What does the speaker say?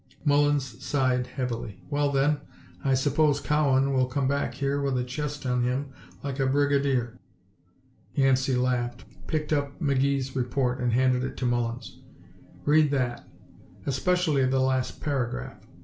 Mullins sighed, heavily. "Well then, I suppose Cowan will come back here with a chest on him like a Brigadier!" Yancey laughed, picked up McGee's report and handed it to Mullins. "Read that especially the last paragraph.